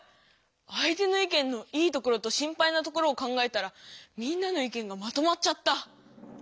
相手の意見の「いいところ」と「心配なところ」を考えたらみんなの意見がまとまっちゃった。